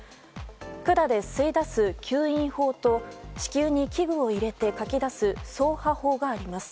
管で吸い出す吸引法と子宮に器具を入れて、かき出す掻爬法があります。